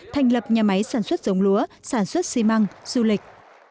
thành lập nhà máy sản xuất giống lúa sản xuất xi măng du lịch